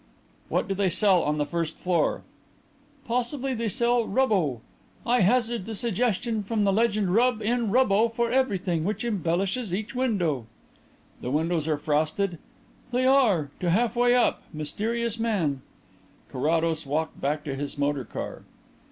"What do they sell on the first floor?" "Possibly they sell 'Rubbo.' I hazard the suggestion from the legend 'Rub in Rubbo for Everything' which embellishes each window." "The windows are frosted?" "They are, to half way up, mysterious man." Carrados walked back to his motor car.